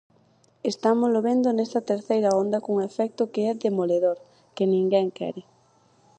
Estámolo vendo nesta terceira onda cun efecto que é demoledor, que ninguén quere.